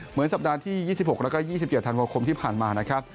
เหมือนสัปดาห์ที่๒๖แล้วก็๒๗ธันวาคมที่ผ่านมานะครับ